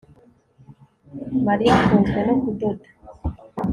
Mariya atunzwe no kudoda